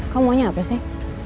kamu maunya apa sih